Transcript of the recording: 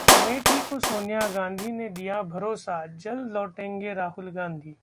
अमेठी को सोनिया गांधी ने दिया भरोसा, जल्द लौटेंगे राहुल गांधी